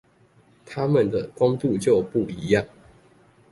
它們的光度就不一樣